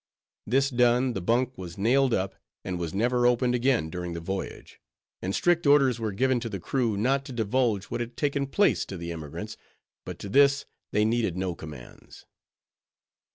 This done, the bunk was nailed up, and was never opened again during the voyage; and strict orders were given to the crew not to divulge what had taken place to the emigrants; but to this, they needed no commands.